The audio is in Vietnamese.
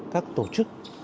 các tổ chức